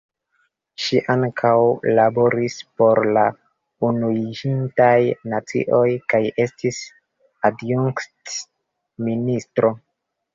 Ŝi ankaŭ laboris por la Unuiĝintaj Nacioj kaj estis adjunkt-ministro.